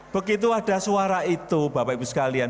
begitu ada suara itu bapak ibu sekalian